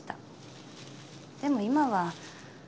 でも今は。